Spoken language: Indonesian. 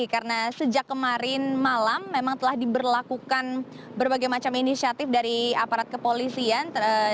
karena sejak kemarin malam memang telah diberlakukan berbagai macam inisiatif dari aparat kepolisian